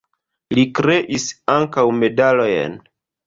Li kreis ankaŭ medalojn.